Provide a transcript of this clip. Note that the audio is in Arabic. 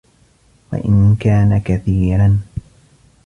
وَإِنْ كَانَ كَثِيرًا